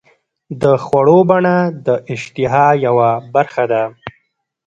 د خوړو بڼه د اشتها یوه برخه ده.